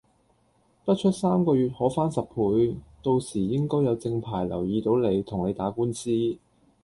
不出三個月可翻十倍，到時應該有正牌注意到你，同你打官司